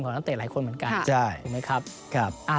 ของนักเตะหลายคนเหมือนกัน